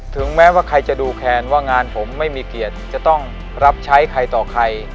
ถึงแม้ว่าใครจะดูแคนว่างานผมไม่มีเกียรติจะต้องรับใช้ใครต่อใคร